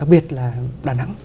đặc biệt là đà nẵng